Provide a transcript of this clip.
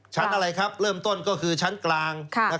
อะไรครับเริ่มต้นก็คือชั้นกลาง